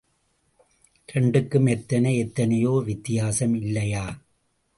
இரண்டுக்கும் எத்தனை எத்தனையோ வித்தியாசம் இல்லையா?...